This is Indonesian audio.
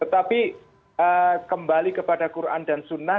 tetapi kembali kepada quran dan sunnah